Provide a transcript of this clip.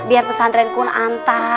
biar pesantren kun anta